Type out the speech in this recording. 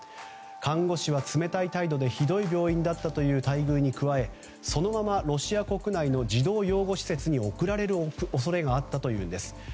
看護師は冷たい態度でひどい病院だったという待遇に加えそのままロシア国内の児童養護施設に送られる恐れがあったというんです。